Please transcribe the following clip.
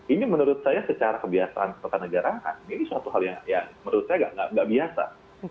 ini menurut saya secara kebiasaan ketatanegaraan ini suatu hal yang menurut saya nggak biasa